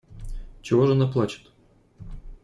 Чего же она плачет?